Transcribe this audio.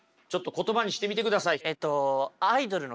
言葉にしてみてください。